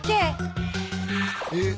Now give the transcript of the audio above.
えっ？